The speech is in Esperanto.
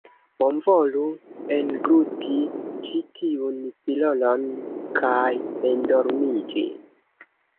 Bonvolu engluti ĉi tiun pilolon kaj endormiĝi.